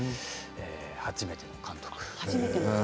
初めての監督。